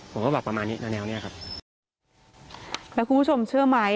ผมก็บอกประมาณนี้แนวแนวเนี้ยครับแล้วคุณผู้ชมเชื่อไหม